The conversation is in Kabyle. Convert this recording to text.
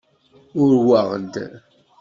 Urweɣ-d.